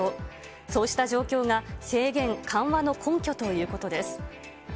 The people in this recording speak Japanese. そうした状況が、制限緩和の根拠ということです。